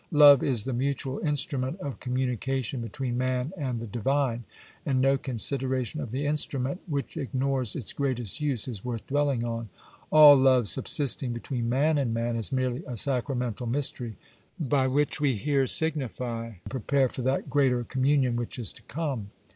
Love is the mutual instrument of communication between man and the Divine, and no consideration of the instrument which ignores its greatest use is worth dwelling on. All love subsisting between man and man is merely a sacramental mystery by which we here signify and prepare for that greater com munion which is to come.